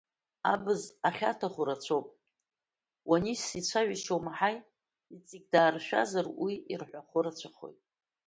Абз ахьаҳҭаху рацәоуп, уанис ицәажәашьа умаҳаи, иҵегь дааршәазар, уи ирҳәахо рацәахоит.